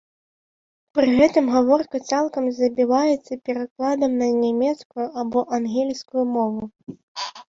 Пры гэтым гаворка цалкам забіваецца перакладам на нямецкую або ангельскую мову.